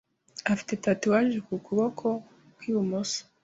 afite tatouage ku kuboko kw'ibumoso.